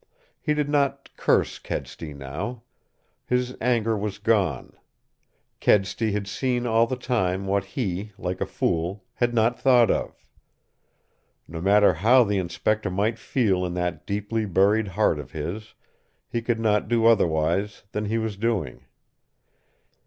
He did not curse Kedsty now. His anger was gone. Kedsty had seen all the time what he, like a fool, had not thought of. No matter how the Inspector might feel in that deeply buried heart of his, he could not do otherwise than he was doing.